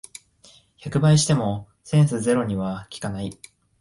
百倍してもセンスゼロには効かない